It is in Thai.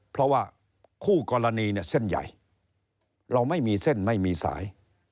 เพราะว่าคู่กรณีเนี่ยเส้นใหญ่เราไม่มีเส้นไม่มีสาย